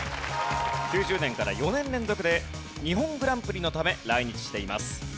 ９０年から４年連続で日本グランプリのため来日しています。